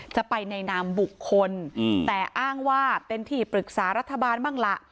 จะไปในนามบุคคลแต่อ้างว่าเป็นที่ปรึกษารัฐบาลบ้างล่ะ